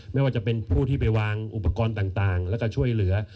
ไม่ว่าจะเป็นผู้ที่ไปวางอุปกรณ์ต่างแล้วก็ช่วยเหลือ